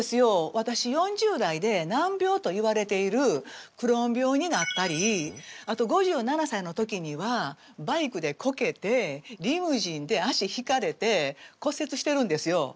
私４０代で難病といわれているクローン病になったりあと５７歳の時にはバイクでこけてリムジンで足ひかれて骨折してるんですよ。